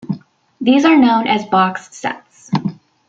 These are known as box sets.